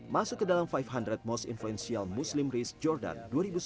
masuk ke dalam lima ratus most influential muslim risk jordan dua ribu sebelas dua ribu dua belas